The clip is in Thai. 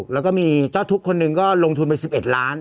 แล้วก็ทุกคนหนึ่งก็ลงทุนไป๑๑ล้าน